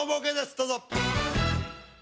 どうぞ。